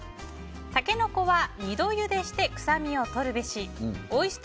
タケノコは二度ゆでして臭みを取るべし。